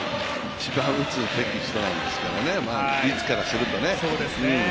一番打つべき人なんですからね、率からするとね。